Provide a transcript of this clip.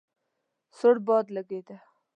سوړ باد لګېده.